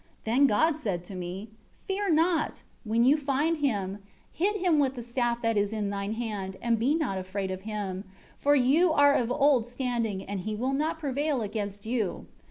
20 Then God said to me, 'Fear not; when you find him, hit him with the staff that is in thine hand, and don't be afraid of him, for you are of old standing, and he shall not prevail against you.'